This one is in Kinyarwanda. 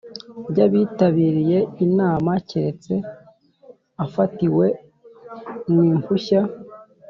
By abitabiriye inama keretse afatiwe mu impushya